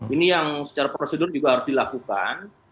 ini yang secara prosedur juga harus dilakukan